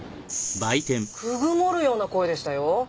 くぐもるような声でしたよ。